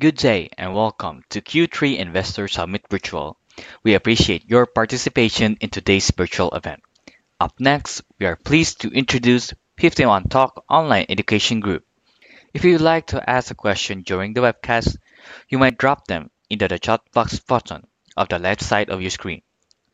Good day, and welcome to Q3 Investor Summit virtual. We appreciate your participation in today's virtual event. Up next, we are pleased to introduce the 51Talk Online Education Group. If you would like to ask a question during the webcast, you may drop them into the chat box button on the left side of your screen.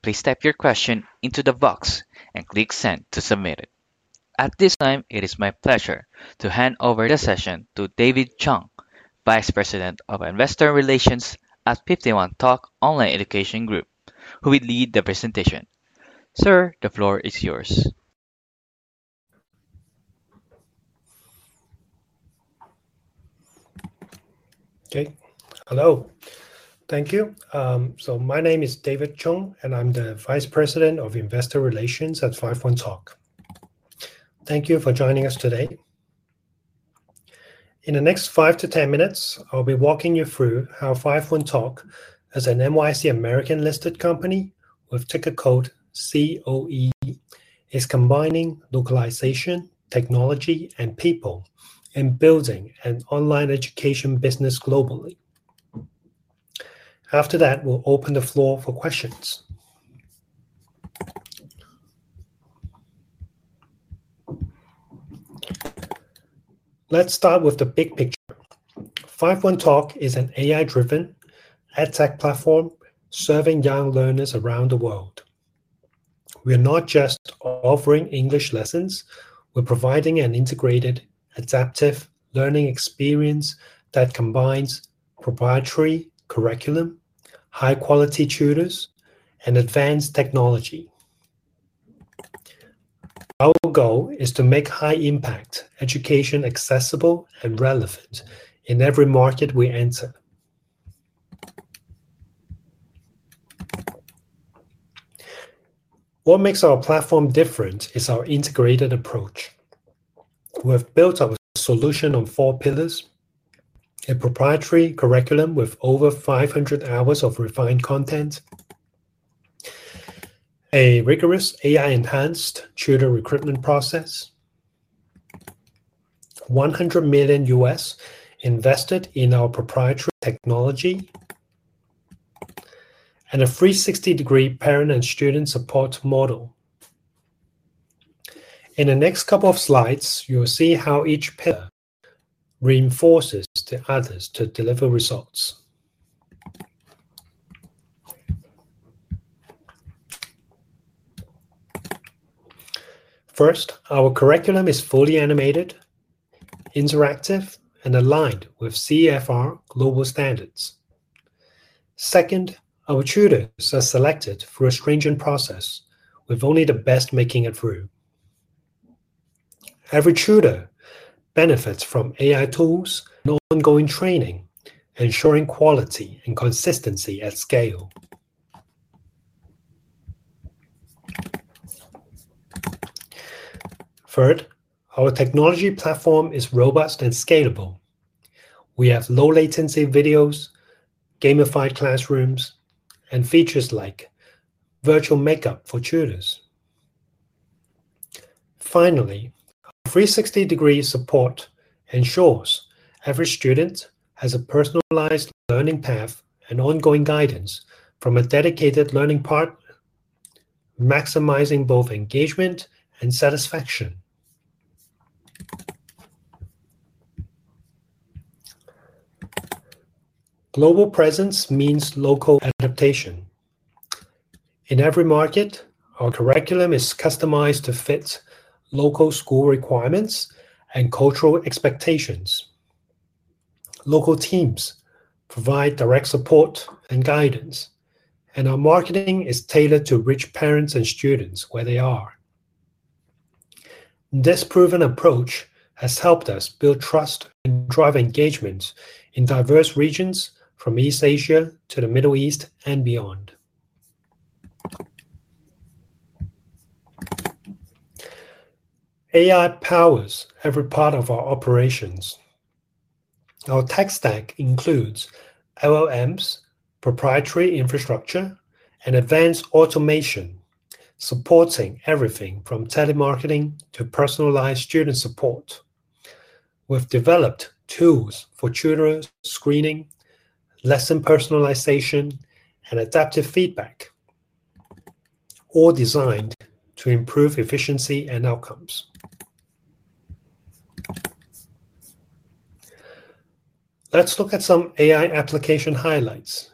Please type your question into the box and click "Send" to submit it. At this time, it is my pleasure to hand over the session to David Chung, Vice President of Investor Relations at 51Talk Online Education Group, who will lead the presentation. Sir, the floor is yours. Okay. Hello. Thank you. My name is David Chung, and I'm the Vice President of Investor Relations at 51Talk Online Education Group. Thank you for joining us today. In the next 5 to 10 minutes, I'll be walking you through how 51Talk, as a NYSE American-listed company with ticker code COE, is combining localization, technology, and people in building an online education business globally. After that, we'll open the floor for questions. Let's start with the big picture. 51Talk Online Education Group is an AI-driven edtech platform serving young learners around the world. We are not just offering English lessons; we're providing an integrated, adaptive learning experience that combines proprietary curriculum, high-quality tutors, and advanced technology. Our goal is to make high-impact education accessible and relevant in every market we enter. What makes our platform different is our integrated approach. We've built our solution on four pillars: a proprietary curriculum with over 500 hours of refined content, a rigorous AI-enhanced tutor recruitment process, $100 million invested in our proprietary technology, and a free 360-degree parent and student support model. In the next couple of slides, you'll see how each pillar reinforces the others to deliver results. First, our curriculum is fully animated, interactive, and aligned with CEFR global standards. Second, our tutors are selected through a stringent process, with only the best making it through. Every tutor benefits from AI-powered tools and ongoing training, ensuring quality and consistency at scale. Third, our technology platform is robust and scalable. We have low-latency video, gamified classrooms, and features like virtual makeup for tutors. Finally, free 360-degree support ensures every student has a personalized learning path and ongoing guidance from a dedicated learning partner, maximizing both engagement and satisfaction. Global presence means local adaptation. In every market, our curriculum is customized to fit local school requirements and cultural expectations. Local teams provide direct support and guidance, and our marketing is tailored to reach parents and students where they are. This proven approach has helped us build trust and drive engagement in diverse regions from East Asia to the Middle East and beyond. AI powers every part of our operations. Our tech stack includes LLMs, proprietary infrastructure, and advanced automation, supporting everything from telemarketing to personalized student support. We've developed tools for tutors, screening, lesson personalization, and adaptive feedback, all designed to improve efficiency and outcomes. Let's look at some AI application highlights.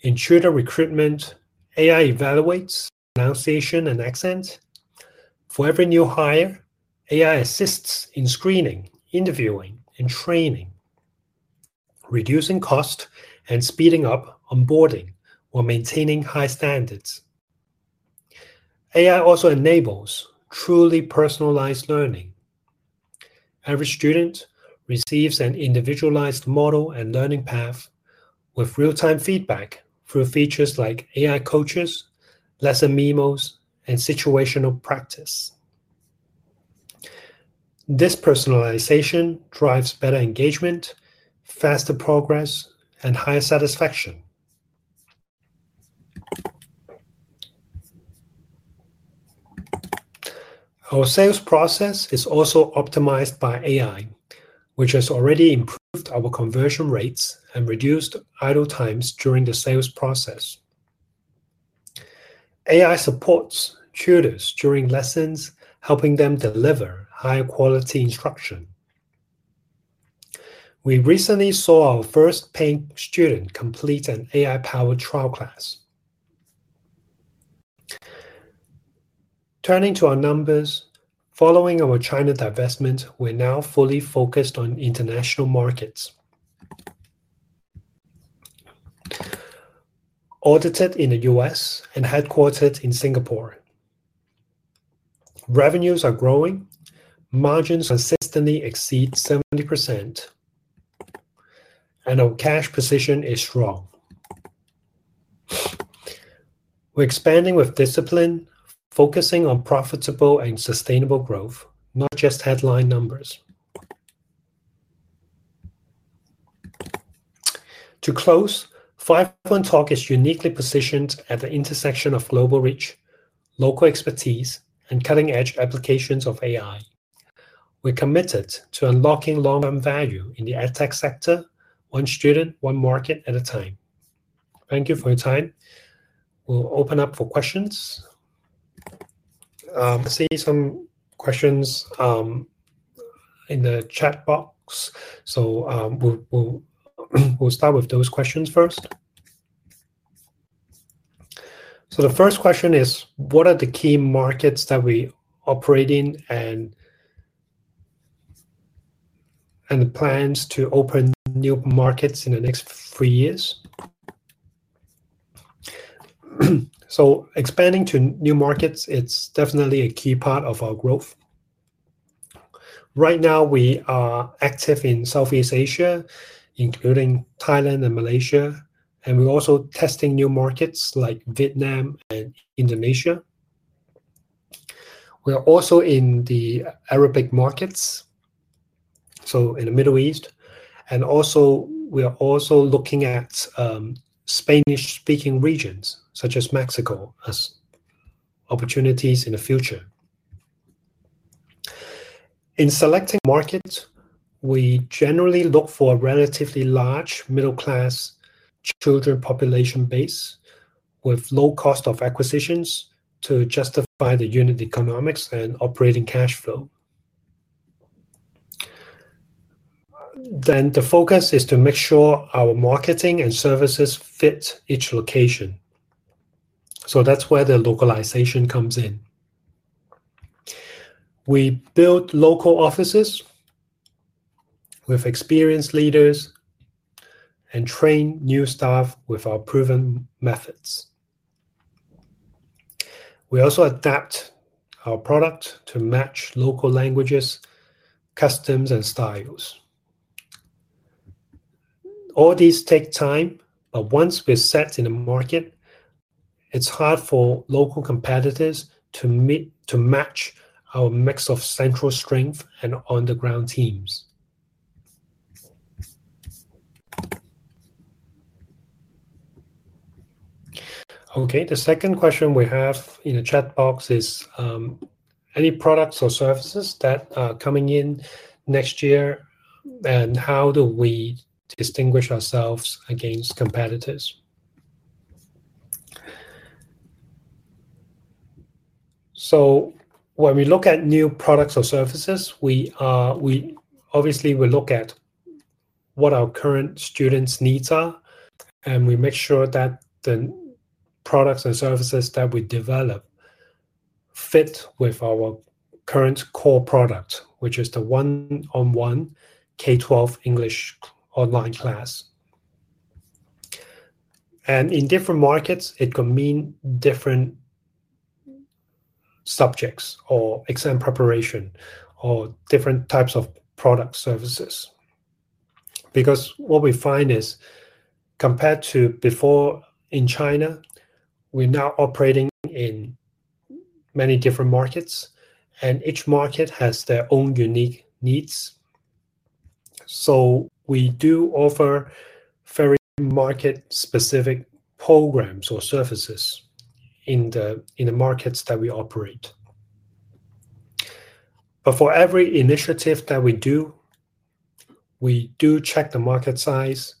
In tutor recruitment, AI evaluates pronunciation and accent. For every new hire, AI assists in screening, interviewing, and training, reducing costs and speeding up onboarding while maintaining high standards. AI also enables truly personalized learning. Every student receives an individualized model and learning path with real-time feedback through features like AI coaches, lesson memos, and situational practice. This personalization drives better engagement, faster progress, and higher satisfaction. Our sales process is also optimized by AI, which has already improved our conversion rates and reduced idle times during the sales process. AI supports tutors during lessons, helping them deliver high-quality instruction. We recently saw our first paying student complete an AI-powered trial class. Turning to our numbers, following our China divestment, we're now fully focused on international markets. Audited in the U.S. and headquartered in Singapore, revenues are growing, margins consistently exceed 70%, and our cash position is strong. We're expanding with discipline, focusing on profitable and sustainable growth, not just headline numbers. To close, 51Talk Online Education Group is uniquely positioned at the intersection of global reach, local expertise, and cutting-edge applications of AI. We're committed to unlocking long-term value in the edtech sector, one student, one market at a time. Thank you for your time. We'll open up for questions. I see some questions in the chat box. We'll start with those questions first. The first question is, what are the key markets that we operate in and the plans to open new markets in the next few years? Expanding to new markets is definitely a key part of our growth. Right now, we are active in Southeast Asia, including Thailand and Malaysia, and we're also testing new markets like Vietnam and Indonesia. We're also in the Arabic markets, in the Middle East, and we're also looking at Spanish-speaking regions such as Mexico as opportunities in the future. In selecting markets, we generally look for a relatively large middle-class children population base with low cost of acquisitions to justify the unit economics and operating cash flow. The focus is to make sure our marketing and services fit each location. That's where the localization comes in. We build local offices with experienced leaders and train new staff with our proven methods. We also adapt our product to match local languages, customs, and styles. All these take time, but once we're set in the market, it's hard for local competitors to match our mix of central strength and underground teams. The second question we have in the chat box is, any products or services that are coming in next year, and how do we distinguish ourselves against competitors? When we look at new products or services, we obviously look at what our current students' needs are, and we make sure that the products and services that we develop fit with our current core product, which is the one-on-one K-12 English online class. In different markets, it could mean different subjects or exam preparation or different types of product services. What we find is, compared to before in China, we're now operating in many different markets, and each market has their own unique needs. We do offer very market-specific programs or services in the markets that we operate. For every initiative that we do, we do check the market size,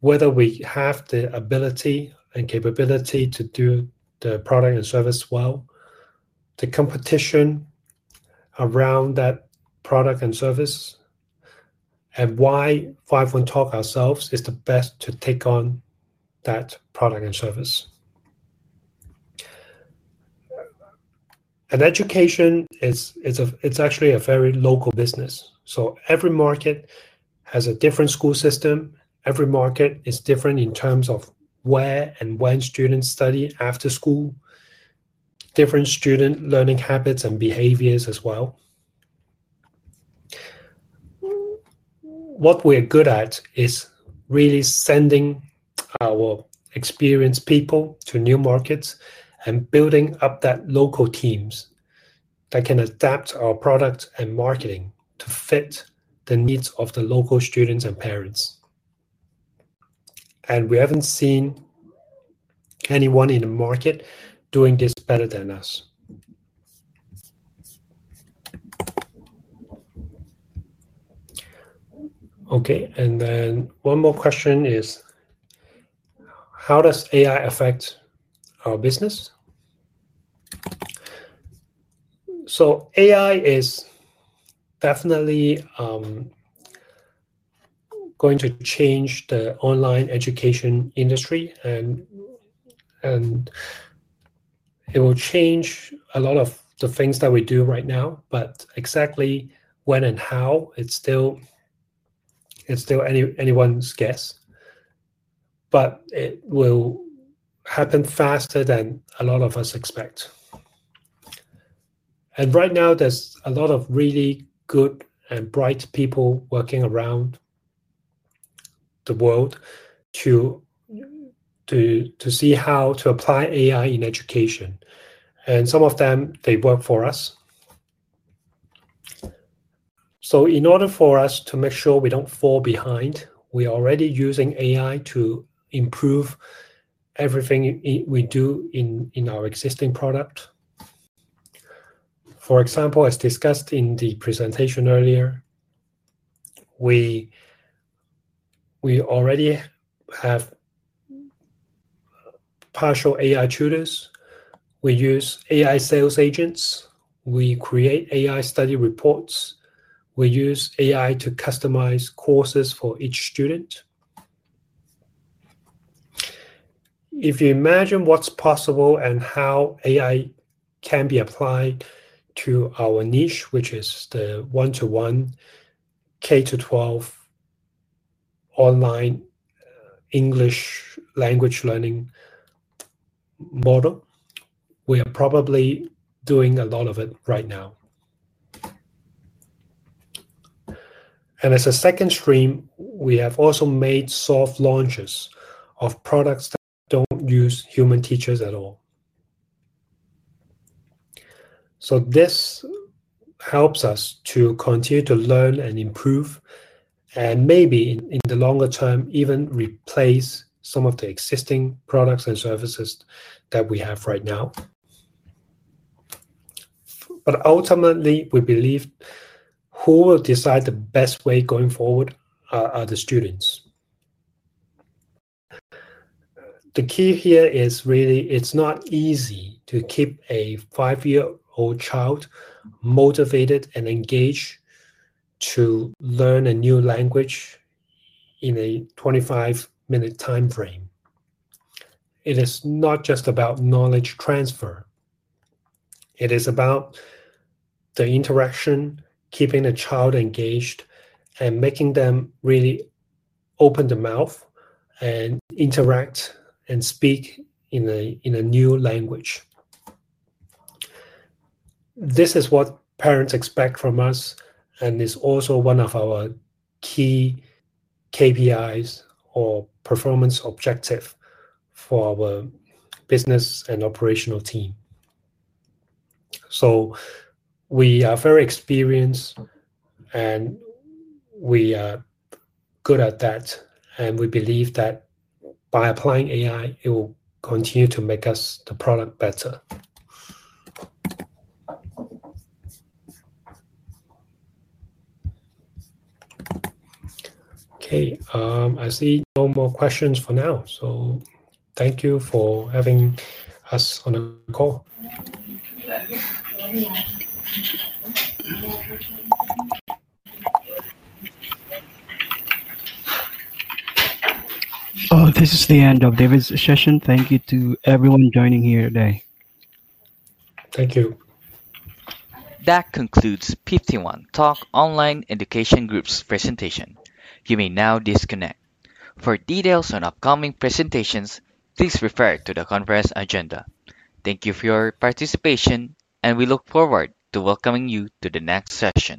whether we have the ability and capability to do the product and service well, the competition around that product and service, and why 51Talk Online Education Group ourselves is the best to take on that product and service. Education is actually a very local business. Every market has a different school system. Every market is different in terms of where and when students study after school, different student learning habits and behaviors as well. What we're good at is really sending our experienced people to new markets and building up those local teams that can adapt our products and marketing to fit the needs of the local students and parents. We haven't seen anyone in the market doing this better than us. One more question is, how does AI affect our business? AI is definitely going to change the online education industry, and it will change a lot of the things that we do right now, but exactly when and how is still anyone's guess. It will happen faster than a lot of us expect. Right now, there's a lot of really good and bright people working around the world to see how to apply AI in education. Some of them, they work for us. In order for us to make sure we don't fall behind, we're already using AI to improve everything we do in our existing product. For example, as discussed in the presentation earlier, we already have partial AI tutors. We use AI sales agents. We create AI study reports. We use AI to customize courses for each student. If you imagine what's possible and how AI can be applied to our niche, which is the one-to-one, K-12 English online classes learning model, we are probably doing a lot of it right now. As a second stream, we have also made soft launches of products that don't use human teachers at all. This helps us to continue to learn and improve, and maybe in the longer term, even replace some of the existing products and services that we have right now. Ultimately, we believe who will decide the best way going forward are the students. The key here is really, it's not easy to keep a five-year-old child motivated and engaged to learn a new language in a 25-minute time frame. It is not just about knowledge transfer. It is about the interaction, keeping the child engaged, and making them really open their mouth and interact and speak in a new language. This is what parents expect from us, and it's also one of our key KPIs or performance objectives for our business and operational team. We are very experienced, and we are good at that, and we believe that by applying AI, it will continue to make us the product better. Okay, I see no more questions for now. Thank you for having us on the call. This is the end of David Chung's session. Thank you to everyone joining here today. Thank you. That concludes 51Talk Online Education Group's presentation. You may now disconnect. For details on upcoming presentations, please refer to the conference agenda. Thank you for your participation, and we look forward to welcoming you to the next session.